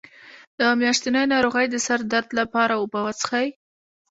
د میاشتنۍ ناروغۍ د سر درد لپاره اوبه وڅښئ